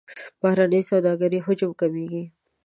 بهرنۍ سوداګرۍ حجم کمیږي.